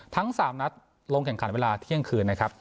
ทั้ง๓นัดลงแข่งขันเวลาเที่ยงคืนนะครับ